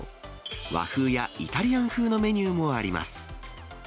和風やイタリアン風のメニューもあります。